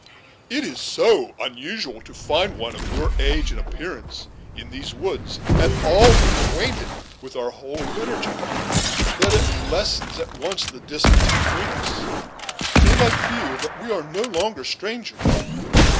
It is so unusual to find one of your age and appearance, in these woods, at all acquainted with our holy liturgy, that it lessens at once the distance between us, and I feel that we are no longer strangers.